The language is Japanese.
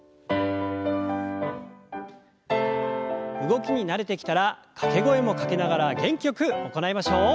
動きに慣れてきたら掛け声もかけながら元気よく行いましょう。